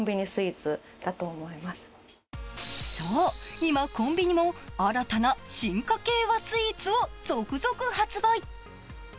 今、コンビニも新たな進化系和スイーツを続々発売。